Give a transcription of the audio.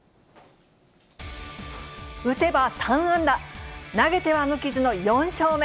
打てば３安打、投げては無傷の４勝目。